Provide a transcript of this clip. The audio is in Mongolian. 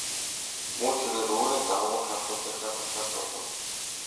Мөн тэрээр өөрийн давуу талуудынхаа талаар бодов.